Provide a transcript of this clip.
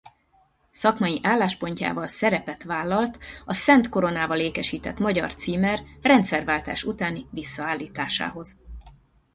Szakmai álláspontjával szerepet vállalt a Szent Koronával ékesített magyar címer rendszerváltás utáni visszaállításához.